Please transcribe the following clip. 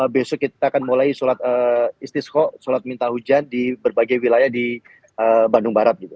besok kita akan mulai sholat istisko sholat minta hujan di berbagai wilayah di bandung barat